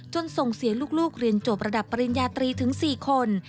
ส่งเสียลูกเรียนจบระดับปริญญาตรีถึง๔คน